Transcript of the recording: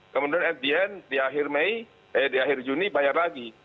kemudian at the end di akhir juni bayar lagi